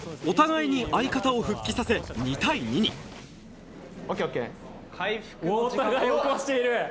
お互いに相方を復帰させ２対２にお互いを起こしている。